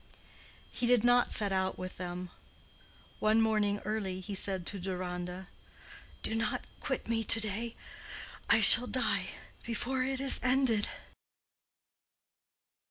He did not set out with them. One morning early he said to Deronda, "Do not quit me to day. I shall die before it is ended."